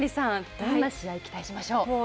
どんな試合を期待しましょう？